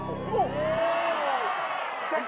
๗คน